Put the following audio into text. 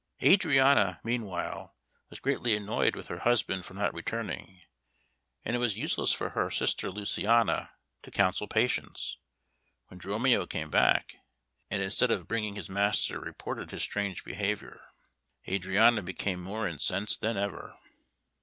Adriana, meanwhile, was greatly annoyed with her husband for not returning, and it was useless for her sister Luciana to counsel patience. When Dromio came back, and instead of bringing his master reported his strange behaviour, Adriana became more incensed than ever.